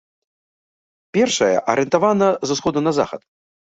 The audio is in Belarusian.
Першая арыентавана з усходу на захад.